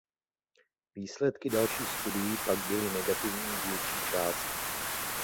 Výsledky dalších studií pak byly negativní z větší části.